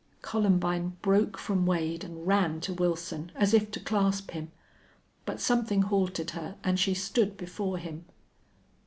Columbine broke from Wade and ran to Wilson, as if to clasp him, but something halted her and she stood before him.